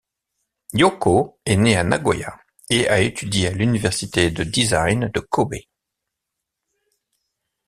Yoko est né à Nagoya et a étudié à l'université de design de Kobe.